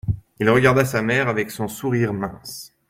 Il regarda sa mère avec son sourire mince.